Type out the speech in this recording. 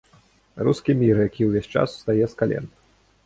Рускі мір, які увесь час устае з кален.